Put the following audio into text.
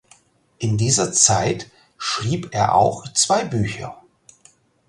In dieser Zeit schrieb er auch zwei Bücher.